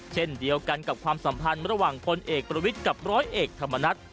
เช่นเดียวกันกับความสัมพันธ์ระหว่างพลเอกประวิทย์กับร้อยเอกธรรมนัฐ